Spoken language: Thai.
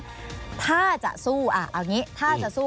การสู้คดีกันเนี่ยถ้าจะสู้อ่าเอาอย่างงี้ถ้าจะสู้